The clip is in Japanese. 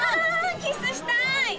キスしたいね！